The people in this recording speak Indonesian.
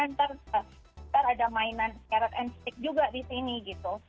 nanti ada mainan carror and stick juga di sini gitu